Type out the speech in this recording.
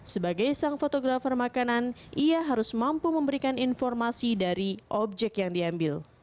sebagai sang fotografer makanan ia harus mampu memberikan informasi dari objek yang diambil